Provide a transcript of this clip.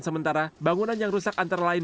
sementara bangunan yang rusak antara lain